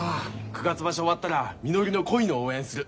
九月場所終わったらみのりの恋の応援する。